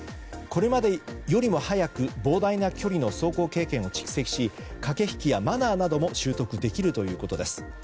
これまでよりも早く膨大な距離の走行経験を蓄積し駆け引きやマナーなども習得できるということです。